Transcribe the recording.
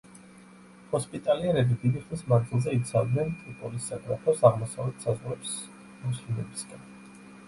ჰოსპიტალიერები დიდი ხნის მანძილზე იცავდნენ ტრიპოლის საგრაფოს აღმოსავლეთ საზღვრებს მუსლიმებისგან.